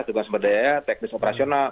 tugas berdaya teknis operasional